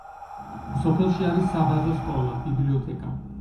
სოფელში არის საბაზო სკოლა, ბიბლიოთეკა.